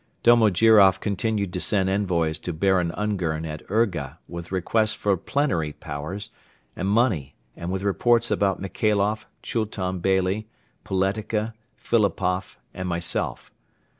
Domojiroff continued to send envoys to Baron Ungern at Urga with requests for plenary powers and money and with reports about Michailoff, Chultun Beyli, Poletika, Philipoff and myself.